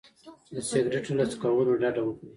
د سګرټو له څکولو ډډه وکړئ.